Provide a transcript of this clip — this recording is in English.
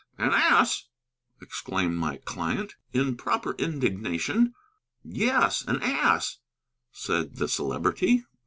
"An ass!" exclaimed my client, in proper indignation. "Yes, an ass," said the Celebrity.